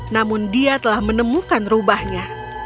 namun dia telah menemukan rubahnya